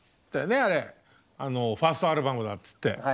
あれファーストアルバムだつって。